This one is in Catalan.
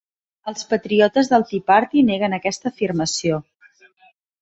Els patriotes del Tea Party neguen aquesta afirmació.